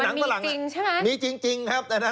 มันต้องพากัดมันหรือเปล่า